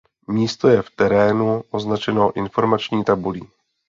Místo je v terénu označeno informační tabulí.